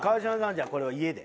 じゃあこれは家で？